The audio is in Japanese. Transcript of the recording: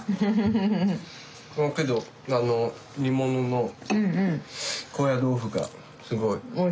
このけど煮物の高野豆腐がすごい。